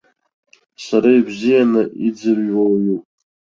Сара ибзианы иӡырҩуа уаҩуп.